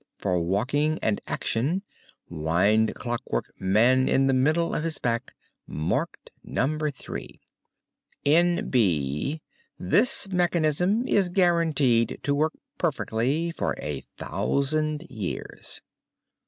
For WALKING and ACTION: Wind Clockwork Man in the middle of his back, (marked No. 3). N. B. This Mechanism is guaranteed to work perfectly for a thousand years.